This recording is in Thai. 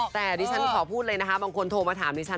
แต่ดิฉันขอพูดเลยนะคะบางคนโทรมาถามดิฉัน